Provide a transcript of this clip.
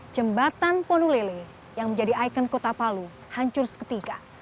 jembatan ponulele yang menjadi ikon kota palu hancur seketika